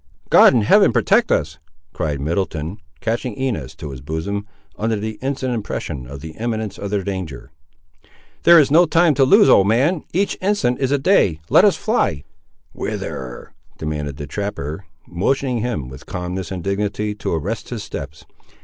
"God in Heaven protect us!" cried Middleton, catching Inez to his bosom, under the instant impression of the imminence of their danger. "There is no time to lose, old man; each instant is a day; let us fly." "Whither?" demanded the trapper, motioning him, with calmness and dignity, to arrest his steps.